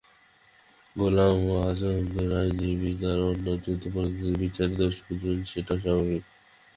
গোলাম আযমদের আইনজীবীরা তাঁর এবং অন্য যুদ্ধাপরাধীদের বিচারে দোষ খুঁজবেন, সেটাই স্বাভাবিক।